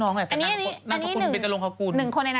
นั่งคุณเจรงคกุล